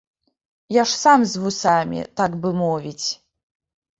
Я ж сам з вусамі, так бы мовіць!